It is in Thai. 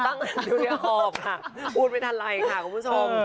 ตั้งที่วิทยาขอบค่ะพูดไปทันไรค่ะคุณผู้ชม